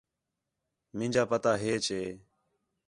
مینجا پتا ہیچ ہے